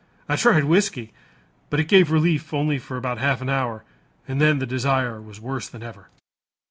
I tried whiskey, but it gave relief only for about half an hour and then the desire was worse than ever."